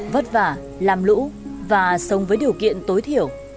vất vả làm lũ và sống với điều kiện tối thiểu